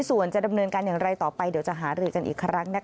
ส่วนจะดำเนินการอย่างไรต่อไปเดี๋ยวจะหารือกันอีกครั้งนะคะ